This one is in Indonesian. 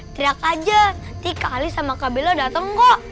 tidak aja nanti kak ali sama kak bella dateng kok